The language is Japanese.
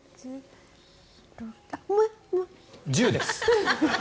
１０です。